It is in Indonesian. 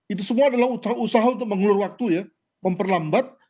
itu semua adalah usaha untuk mengulur waktu ya memperlambat